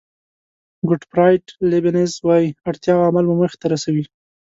ګوټفراید لیبنېز وایي اړتیا او عمل مو موخې ته رسوي.